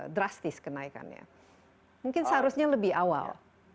drastis kenaikannya mungkin seharusnya lebih awal